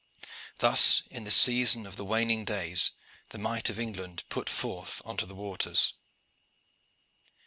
Thus in the season of the waning days the might of England put forth on to the waters.